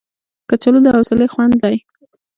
کچالو د حوصلې خوند دی